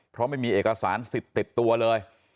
เพราะไม่มีเอกสารสิทธิ์ติดตัวเลย